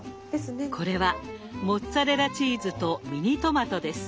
これはモッツァレラチーズとミニトマトです。